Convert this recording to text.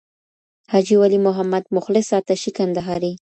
حاجي ولي محمد مخلص آتشي کندهارى